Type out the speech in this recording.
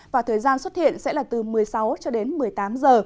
và thời gian xuất hiện sẽ là từ một mươi sáu cho đến một mươi tám giờ